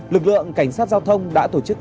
lực lượng cảnh sát giao thông đã tổ chức